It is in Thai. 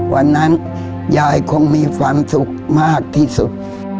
วันนั้นยายคงมีความสุขมากที่สุด